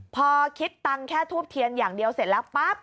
พอคิดตังค์แค่ทูบเทียนอย่างเดียวเสร็จแล้วปั๊บ